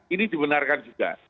ini dibenarkan juga